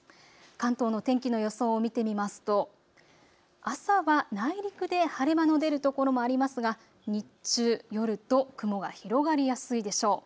関東の天気の予想を見てみますと朝は内陸で晴れ間の出る所もありますが日中、夜と雲が広がりやすいでしょう。